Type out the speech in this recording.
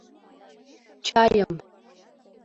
— Чайым...